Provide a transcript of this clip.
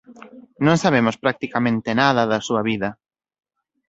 Non sabemos practicamente nada da súa vida.